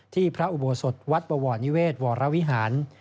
ที่พระอุบวสธิ์วัดบวานิเวชวารวิหาร